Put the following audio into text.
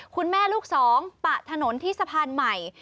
คุณแม่ลูกสองปะถนนที่สะพานใหม่